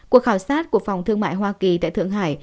cuộc khảo sát của phòng thương mại hoa kỳ tại thượng hải